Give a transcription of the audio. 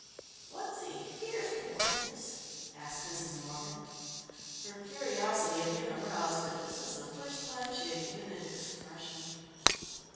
"What's he here for, miss?" asked Mrs. Morgan. Her curiosity had been aroused, but this was the first time she had given it expression.